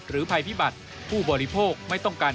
ภัยพิบัติผู้บริโภคไม่ต้องการ